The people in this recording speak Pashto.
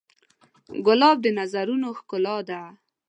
ګلاب د نظرونو ښکلا ده.